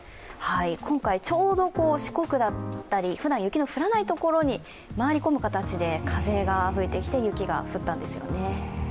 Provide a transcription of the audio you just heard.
今回、ちょうど四国だったり、ふだん雪の降らない所に回り込む形で風が吹いてきて雪が降ったんですよね。